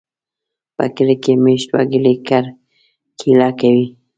په کلي کې مېشت وګړي کرکېله کوي.